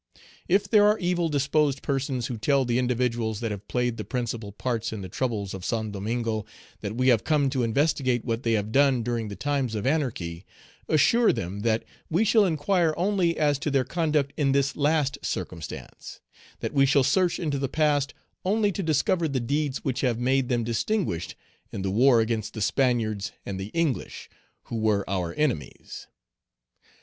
"If there are evil disposed persons who tell the individuals that have played the principal parts in the troubles of Saint Domingo that we have come to investigate what they have done during the times of anarchy, assure them that we shall inquire only as to their conduct in this last circumstance; that we shall search into the past only to discover the deeds which have made them distinguished in the war against the Spaniards and the English, who were our enemies.